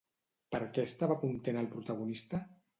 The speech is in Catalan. Per què estava content el protagonista?